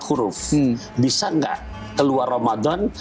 huruf bisa nggak keluar ramadan